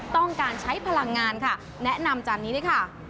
ต้องการใช้พลังงานค่ะแนะนำจานนี้ด้วยค่ะ